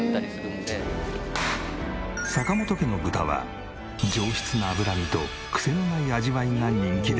坂本家の豚は上質な脂身とクセのない味わいが人気で。